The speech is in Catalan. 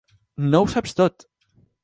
No ho saps tot.